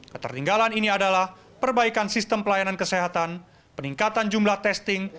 ketertinggalan ini adalah perbaikan sistem pelayanan kesehatan peningkatan jumlah testing